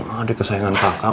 aduh kesayangan kakak